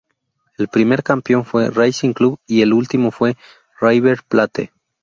El primer campeón fue Racing Club y el último fue River Plate.